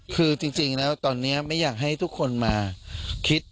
คือจริงแล้วตอนนี้ไม่อยากให้ทุกคนมาคิด